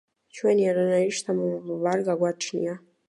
ჩვენი არანაირი შთამომავლობა არ გაგვაჩნია.